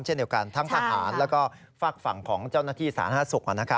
เช่นเดียวกันทั้งทหารแล้วก็ฝากฝั่งของเจ้าหน้าที่สาธารณสุข